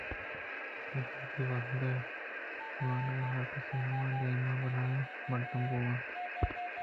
اے وتی وہد ءُ زمانگاں ہرکس ءَ ہما دیم ءُ بلاہیں مردم بُوتگ اَنت